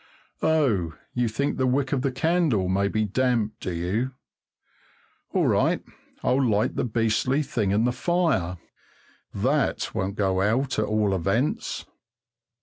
Oh, you think the wick of the candle may be damp, do you? All right, I'll light the beastly thing in the fire. That won't go out, at all events.